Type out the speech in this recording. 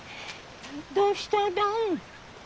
どうしただ？